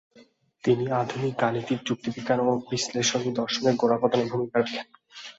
তিনি আধুনিক গাণিতিক যুক্তিবিজ্ঞান ও বিশ্লেষণী দর্শনের গোড়াপত্তনে ভূমিকা রাখেন।